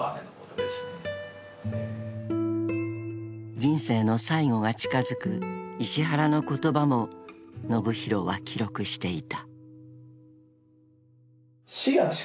［人生の最後が近づく石原の言葉も延啓は記録していた］